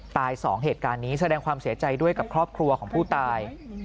สองเหตุการณ์นี้แสดงความเสียใจด้วยกับครอบครัวของผู้ตาย